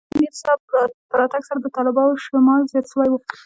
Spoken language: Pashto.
د نعماني صاحب په راتگ سره د طلباوو شمېر زيات سوى و.